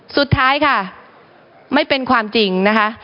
สุดท้ายค่ะไม่เป็นความจริงนะคะ